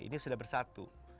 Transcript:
ini sudah bersatu